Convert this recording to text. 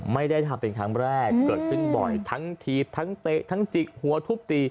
ไม่ได้ทำเป็นครั้งแรกเกิดขึ้นบ่อยทั้งถีบทั้งเตะทั้งจิกหัวทุบตี